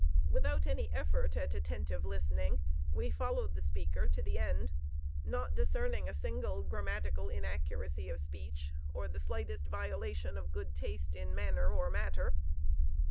Without any effort at attentive listening we followed the speaker to the end, not discerning a single grammatical inaccuracy of speech, or the slightest violation of good taste in manner or matter.